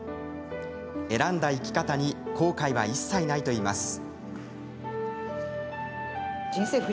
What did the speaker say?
選んだ生き方に後悔は一切ないといいます。